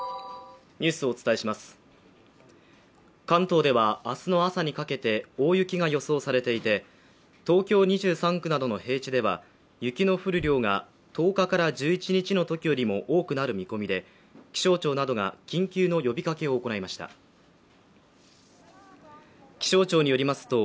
関東では、明日の朝にかけて大雪が予想されていて、東京２３区などの平地では雪の降る量が１０日から１１日のときよりも多くなる見込みで、気象庁などが緊急の呼びかけを行いました。